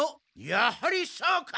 やはりそうか！